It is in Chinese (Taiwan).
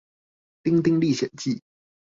丁丁歷險記